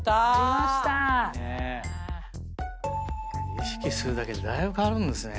意識するだけでだいぶ変わるんですね。